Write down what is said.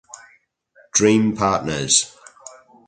Dream Partners.